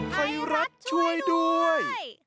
ไทยรัฐช่วยด้วย